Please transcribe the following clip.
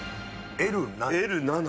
Ｌ７？